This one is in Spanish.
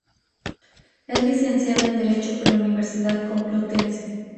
Es licenciado en Derecho por la Universidad Complutense.